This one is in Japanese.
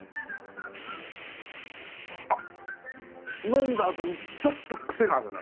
あっ飲んだあとにちょっとクセがあるね。